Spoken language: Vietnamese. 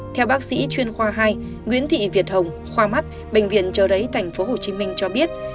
theo bác sĩ chuyên khoa hai nguyễn thị việt hồng khoa mắt bệnh viện trợ rẫy tp hcm cho biết